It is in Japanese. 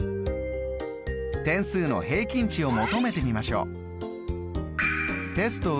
点数の平均値を求めてみましょう。